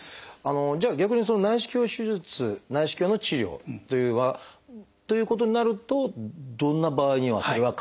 じゃあ逆に内視鏡手術内視鏡の治療ということになるとどんな場合にはそれは可能ってことになりますか？